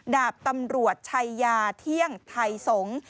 ดาบตำรวจชัยยาเที่ยงไทยสงศ์